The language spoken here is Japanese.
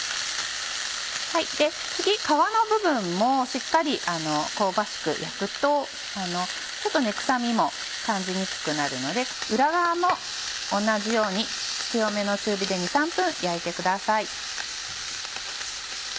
次皮の部分もしっかり香ばしく焼くとちょっと臭みも感じにくくなるので裏側も同じように強めの中火で２３分焼いてください。